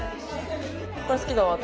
これ好きだわ私。